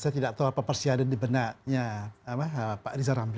saya tidak tahu apa persiapan sebenarnya